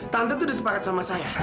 tante itu udah sepakat sama saya